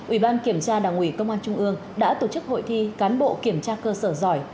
ủy ban kiểm tra đảng ủy công an trung ương đã tổ chức hội thi cán bộ kiểm tra cơ sở giỏi